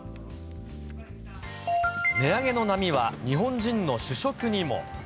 値上げの波は日本人の主食にも。